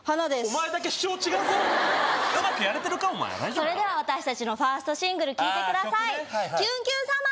それでは私たちのファーストシングル聴いてくださいああ曲ねはい